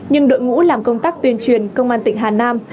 nhưng đội ngũ làm công tác tuyên truyền công an tỉnh hà nam